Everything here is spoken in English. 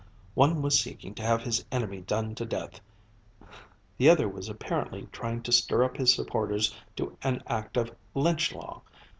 One was seeking to have his enemy done to death, the other was apparently trying to stir up his supporters to an act of "Lynch law".